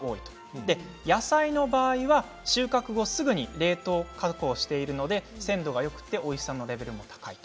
また野菜の場合は収穫後すぐに冷凍加工しているので鮮度がよくておいしさのレベルも高いと。